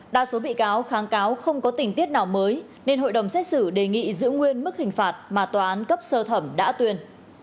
đa số bị cáo kháng cáo không có tình tiết nào mới nên hội đồng xét xử đề nghị giữ nguyên mức hình phạt mà tòa án cấp sơ thẩm đã tuyên